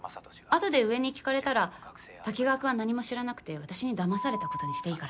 後で上に聞かれたら滝川君は何も知らなくて私にだまされたことにしていいから。